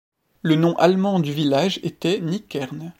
Le nom allemand du village était Nickern.